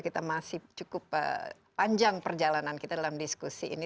kita masih cukup panjang perjalanan kita dalam diskusi ini